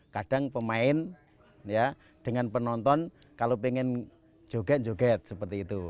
kadang pemain ya dengan penonton kalau pengen joget joget seperti itu